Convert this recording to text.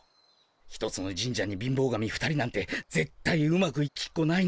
１つの神社に貧乏神２人なんてぜっ対うまくいきっこないんだから。